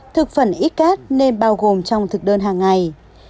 thực phẩm ít cát nên bao gồm trong thực đơn hàng ngày